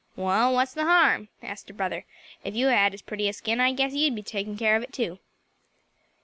"Well, what's the harm?" asked her brother. "If you had as pretty a skin, I guess you'd be for takin' care of it too."